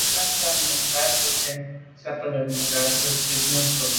Mə̀kát jɔ́ tɔ̀ɔ́ lá’ nùngà bú tɛ̀ɛ́n ndzjə́ə̀k nə̀ lɛ̀ɛ́n nùngá zə́ bú nùú cúp.